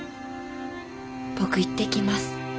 「僕行ってきます。